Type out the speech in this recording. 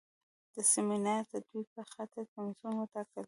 د سیمینار د تدویر په خاطر کمیسیون وټاکل شو.